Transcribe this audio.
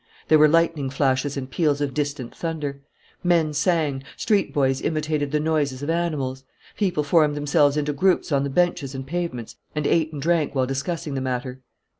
There were lightning flashes and peals of distant thunder. Men sang. Street boys imitated the noises of animals. People formed themselves into groups on the benches and pavements and ate and drank while discussing the matter.